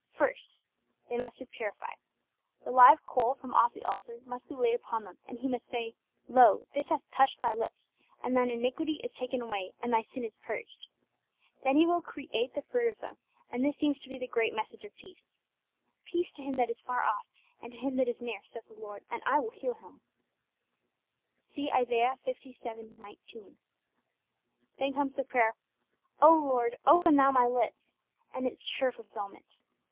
First, they must be purified. The live coal from off the altar must be laid upon them, and He must say, 'Lo, this hath touched thy lips, and thine iniquity is taken away, and thy sin is purged.' Then He will create the fruit of them, and this seems to be the great message of peace, 'Peace to him that is far off, and to him that is near, saith the Lord; and I will heal him' (see Isa. lvii. 19). Then comes the prayer, 'O Lord, open Thou my lips,' and its sure fulfilment.